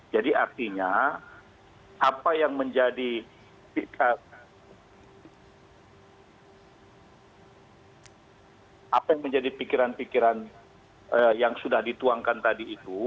jadi artinya apa yang menjadi pikiran pikiran yang sudah dituangkan tadi itu